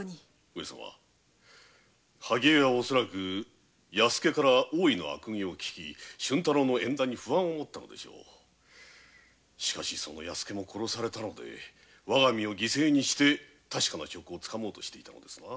上様萩絵は八助から大井の悪行を聞き俊太郎の縁談に不安をもったもののその八助も殺されたのでわが身を犠牲にして確かな証拠をつかもうとしていたのですな。